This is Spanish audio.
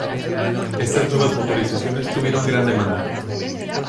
Estas nuevas motorizaciones tuvieron gran demanda.